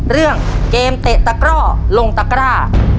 เรื่องเกมเตะตะกร่อลงตะกร้า